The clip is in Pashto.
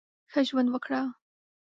ښه ژوند وکړه !